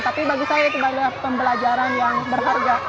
tapi bagi saya itu adalah pembelajaran yang berharga